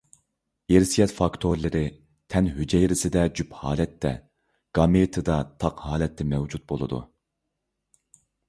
ئىرسىيەت فاكتورلىرى تەن ھۈجەيرىسىدە جۈپ ھالەتتە، گامېتىدا تاق ھالەتتە مەۋجۇت بولىدۇ.